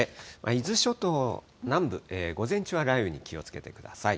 伊豆諸島南部、午前中は雷雨に気をつけてください。